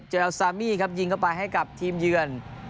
เลลซามี่ครับยิงเข้าไปให้กับทีมเยือน